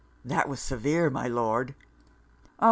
'That was severe, my Lord.' 'Oh!